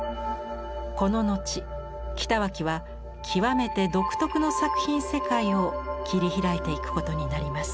この後北脇は極めて独特の作品世界を切り開いていくことになります。